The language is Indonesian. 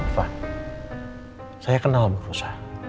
van saya kenal bu rosa